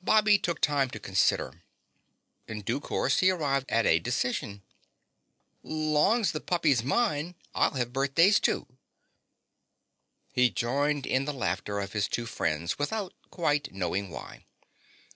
Bobby took time to consider. In due course he arrived at a decision. "Long's the puppy's mine, I'd have the birthdays, too." He joined in the laughter of his two friends without quite knowing why.